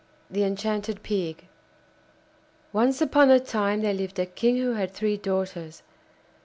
THE ENCHANTED PIG Once upon a time there lived a King who had three daughters.